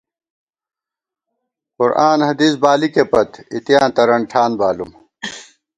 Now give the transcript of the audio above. قرآن حدیث بالِکےپت ، اتېیاں ترَن ٹھان بالُوم